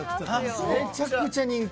めちゃくちゃ人気。